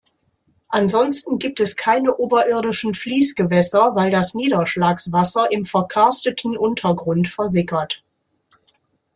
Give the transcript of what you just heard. Ansonsten gibt es keine oberirdischen Fließgewässer, weil das Niederschlagswasser im verkarsteten Untergrund versickert.